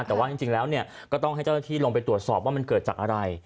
แต่ว่าจริงแล้วเนี่ยก็ต้องให้เจ้าหน้าที่ลงไปตรวจสอบว่ามันเกิดจากอะไร